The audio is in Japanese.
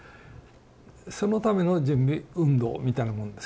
そのための準備運動みたいなもんですから。